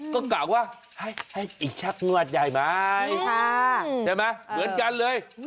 ก็กล่าวว่าให้ให้ไอ้ชักงวดใหญ่มายนี่ค่ะเหมือนกันเลย